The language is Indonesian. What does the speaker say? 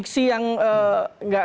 apalagi ini calon tunggal ya